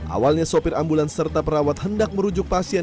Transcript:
awalnya sopir ambulans serta perawat hendak merujuk pasien